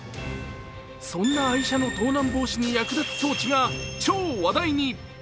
そんな愛車の盗難防止に役立つ装置が超話題に。